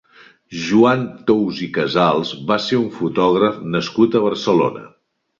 Joan Tous i Casals va ser un fotògraf nascut a Barcelona.